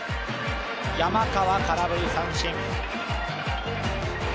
山川、空振り三振。